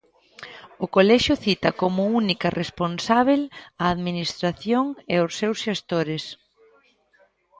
O Colexio cita como "única responsábel" a "Administración e os seus xestores".